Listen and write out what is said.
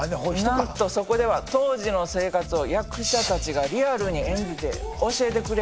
なんとそこでは当時の生活を役者たちがリアルに演じて教えてくれるんや。